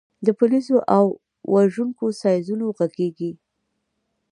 د پولیسو او اور وژونکو سایرنونه غږیږي